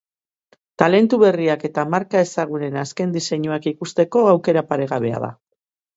Talentu berriak eta marka ezagunen azken diseinuak ikusteko aukera paregabea da.